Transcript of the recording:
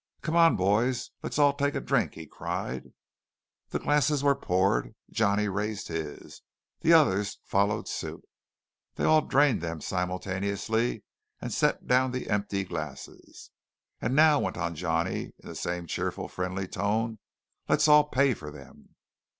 "Come on, boys, let's all take a drink!" he cried. The glasses were poured. Johnny raised his. The others followed suit. Then all drained them simultaneously and set down the empty glasses. "And now," went on Johnny in the same cheerful, friendly tone, "let's all pay for them!"